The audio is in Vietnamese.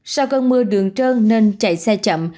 sau cơn mưa đường trơn nên chạy xe chậm